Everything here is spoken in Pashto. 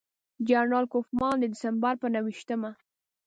جنرال کوفمان د ډسمبر پر نهه ویشتمه.